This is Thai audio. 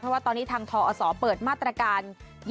เพราะว่าตอนนี้ทางทอศเปิดมาตรการ